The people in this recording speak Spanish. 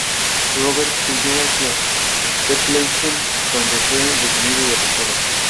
Robert huyó hacia Bethlehem, donde fue detenido y arrestado.